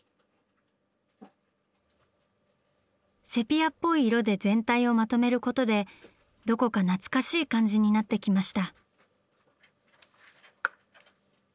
セピアっぽい色で全体をまとめることでどこか懐かしい感じになってきました。